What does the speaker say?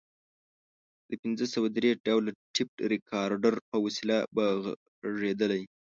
د پنځه سوه درې ډوله ټیپ ریکارډر په وسیله به غږېدلې.